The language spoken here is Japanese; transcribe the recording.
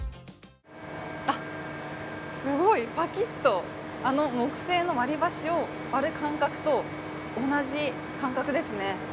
あ、すごい！パキっと、あの木製の割り箸を割る感覚と同じ感覚ですね。